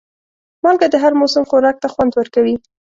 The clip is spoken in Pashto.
مالګه د هر موسم خوراک ته خوند ورکوي.